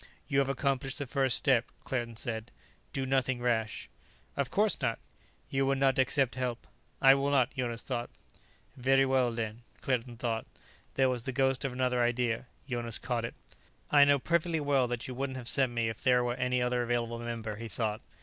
"You have accomplished the first step," Claerten said. "Do nothing rash." "Of course not." "You will not accept help " "I will not," Jonas thought. "Very well, then," Claerten thought. There was the ghost of another idea; Jonas caught it. "I know perfectly well that you wouldn't have sent me if there were any other available member," he thought.